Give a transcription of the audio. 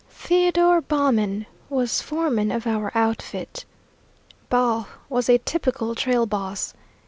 Theodore Baughman was foreman of our outfit. Baugh was a typical trail boss.